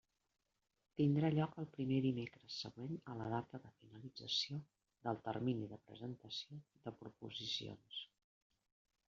Tindrà lloc el primer dimecres següent a la data de finalització del termini de presentació de proposicions.